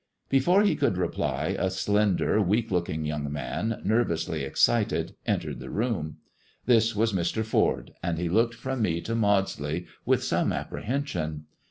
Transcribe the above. Before he could reply, a slender, weak looking young man, ilervously excited, entered the room. This was IVIr. Ford, and he looked from me to Maudsley with some apprehension.